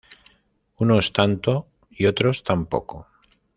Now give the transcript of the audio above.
Unos tanto y otros tan poco